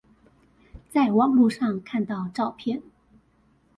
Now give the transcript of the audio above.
在網路上看到照片